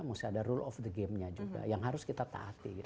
mesti ada rule of the game nya juga yang harus kita taati